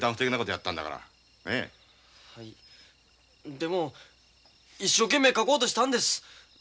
でも一生懸命描こうとしたんです。